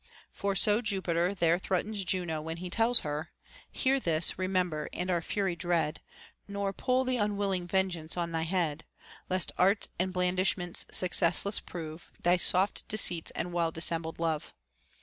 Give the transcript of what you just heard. For so Jupiter there threatens Juno, when he tells her, — Hear this, remember, and our fury dread, Nor pull the unwilling vengeance on thy head ; Lest arts and blandishments successless prove Thy soft deceits and well dissembled love.